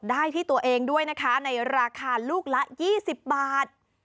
ได้ที่ตัวเองด้วยนะคะในราคาลูกละ๒๐บาท